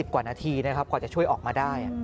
๒๐กว่านาทีก่อนจะช่วยออกมาได้